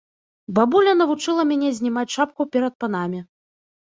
Бабуля навучыла мяне знімаць шапку перад панамі.